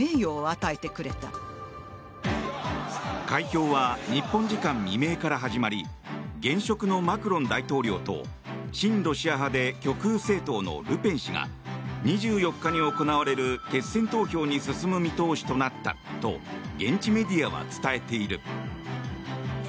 開票は日本時間未明から始まり現職のマクロン大統領と親ロシア派で極右政党のルペン氏が２４日に行われる決選投票に進む見通しとなったと現地メディアは伝えている。